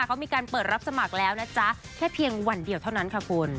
เขามีการเปิดรับสมัครแล้วนะจ๊ะแค่เพียงวันเดียวเท่านั้นค่ะคุณ